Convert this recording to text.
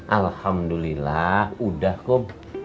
alhamdulillah udah kom